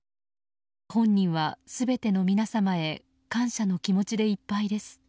本人は全ての皆様へ感謝の気持ちでいっぱいです。